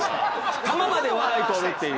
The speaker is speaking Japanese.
球まで笑い取るっていう。